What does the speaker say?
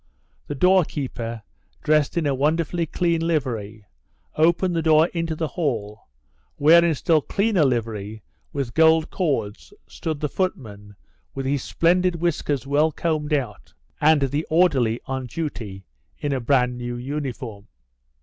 The doorkeeper, dressed in a wonderfully clean livery, opened the door into the hall, where in still cleaner livery with gold cords stood the footman with his splendid whiskers well combed out, and the orderly on duty in a brand new uniform.